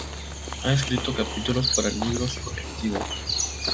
Ha escrito capítulos para libros colectivos.